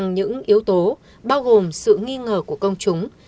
những yếu tố bao gồm sự nghi ngờ của công chúng